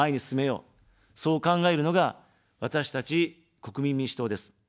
そう考えるのが、私たち国民民主党です。